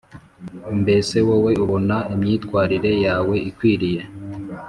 mbese wowe ubona imyitwarire yawe ikwiriye